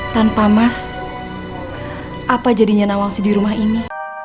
tanpa mas apa jadinya nawangsi di rumah ini